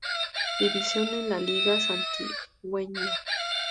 División en la Liga Santiagueña.